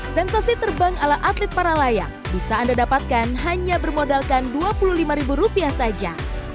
sensasi terbang ala atlet para layang bisa anda dapatkan hanya bermodalkan dua puluh lima rupiah saja